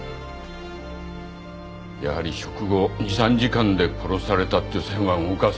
やはり食後２３時間で殺されたって線は動かせないでしょ。